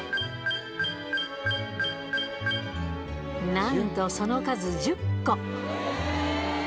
なんとその数１０個！